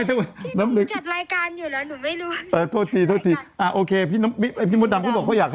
เจ้ามือก็ได้ผลประโยชน์เยอะนะคะ